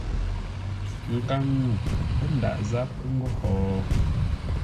Nkaŋ-ŋuu pə́ ndaʼ záp ńgó ho?